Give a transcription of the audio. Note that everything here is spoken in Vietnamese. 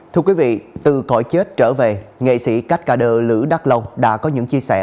thưa quý vị từ khỏi chết trở về nghệ sĩ cát cà đơ lữ đắc long đã có những chia sẻ